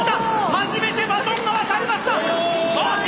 初めてバトンが渡りました！